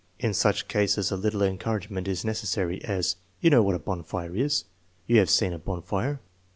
In such cases a little encouragement is necessary; as: " You know what a bonfire is. You have seen a bonfire.